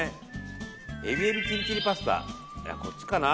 エビエビチリチリパスタこっちかな。